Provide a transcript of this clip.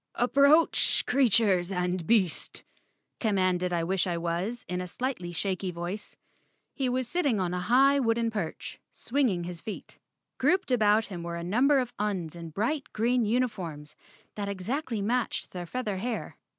"Approach, creatures and beast," commanded I wish I was in a slightly shaky voice. He was sitting on a high wooden perch, swinging his feet. Grouped about him were a number of Uns in bright green uni¬ forms that exactly matched their feather hair.